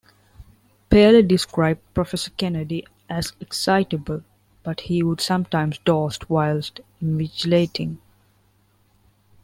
Paley described Professor Kennedy as excitable, but he would sometimes doze whilst invigilating.